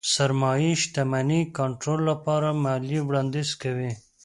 سرمايې شتمنۍ کنټرول لپاره ماليې وړانديز کوي.